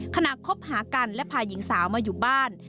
คบหากันและพาหญิงสาวมาอยู่บ้าน